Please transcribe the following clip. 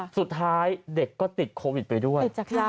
สุดท้ายเด็กก็ติดโควิดไปด้วย